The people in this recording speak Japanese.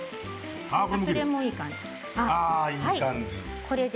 それもいい感じ。